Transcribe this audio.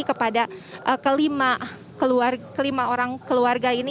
kepada lima orang keluarga ini